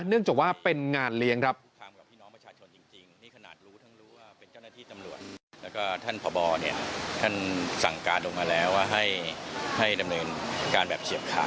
เนื่องจากว่าเป็นงานเลี้ยงครับ